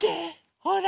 ほら。